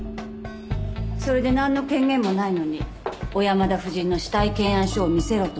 それでなんの権限もないのに小山田夫人の死体検案書を見せろと迫った。